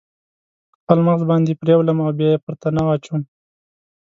خپل مغز باندې پریولم او بیا یې پر تناو اچوم